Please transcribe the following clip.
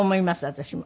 私も。